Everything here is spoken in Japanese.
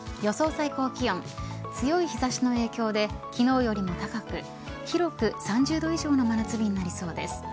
最高気温強い日差しの影響で昨日よりも高く広く３０度以上の真夏日になりそうです。